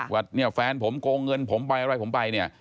ว่าเนี่ยแฟนผมโกงเงินผมไปอะไรผมไปเนี่ย